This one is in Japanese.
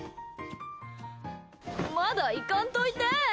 まだ行かんといて！